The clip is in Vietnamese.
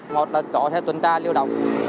một là chỗ sẽ tuần tra liêu động